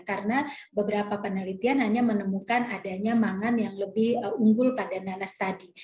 karena beberapa penelitian hanya menemukan adanya mangan yang lebih unggul pada nanas tadi